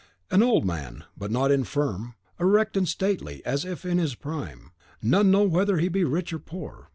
An old man, but not infirm, erect and stately, as if in his prime. None know whether he be rich or poor.